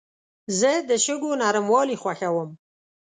زه د شګو نرموالي خوښوم.